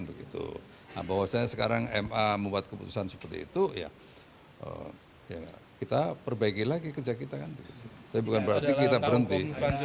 bahwa sekarang ma membuat keputusan seperti itu kita perbaiki lagi kerja kita tapi bukan berarti kita berhenti